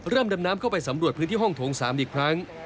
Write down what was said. ดำน้ำเข้าไปสำรวจพื้นที่ห้องโถง๓อีกครั้ง